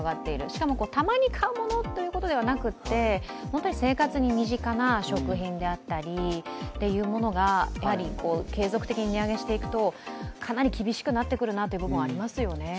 しかもたまに買うものということではなくて、本当に生活に身近な食品などが継続的に値上げしていくと、かなり厳しくなってくるなという部分がありますよね。